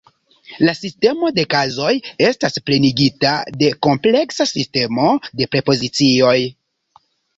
La sistemo de kazoj estas plenigita de kompleksa sistemo de prepozicioj.